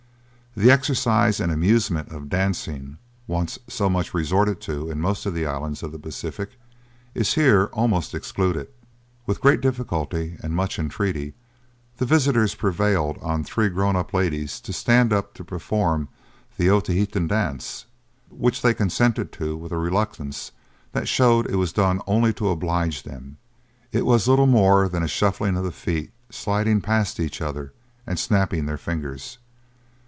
The exercise and amusement of dancing, once so much resorted to in most of the islands of the Pacific, is here almost excluded. With great difficulty and much entreaty, the visitors prevailed on three grown up ladies to stand up to perform the Otaheitan dance, which they consented to with a reluctance that showed it was done only to oblige them. It was little more than a shuffling of the feet, sliding past each other, and snapping their fingers.